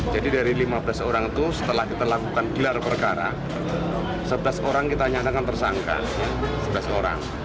jadi dari lima belas orang itu setelah kita lakukan gilar perkara sebelas orang kita nyatakan tersangka